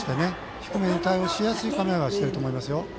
低めに対応しやすい構えはしてると思いますよ。